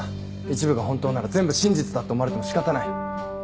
一部が本当なら全部真実だって思われても仕方ない。